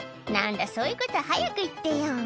「何だそういうこと早く言ってよ」